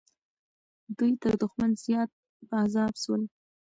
دوی تر دښمن زیات په عذاب سول.